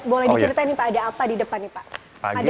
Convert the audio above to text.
boleh diceritain nih pak ada apa di depan nih pak